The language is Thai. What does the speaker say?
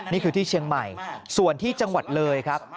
นี่คือที่เชียงใหม่ส่วนที่จังหวัดเลยครับ